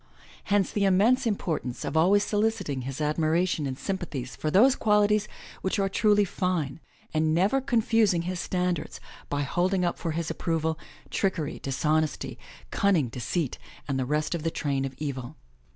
Hence the immense importance of always soliciting his admiration and sympathy for those qualities which are truly fine and never confusing his standards by holding up for his approval, trickery, dishonesty, cunning, deceit, and the rest of the train of evil.